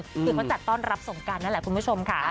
คือเขาจัดต้อนรับสงการนั่นแหละคุณผู้ชมค่ะ